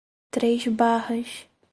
Três Barras